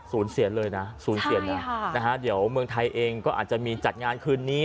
เสียเลยนะศูนย์เสียเลยนะฮะเดี๋ยวเมืองไทยเองก็อาจจะมีจัดงานคืนนี้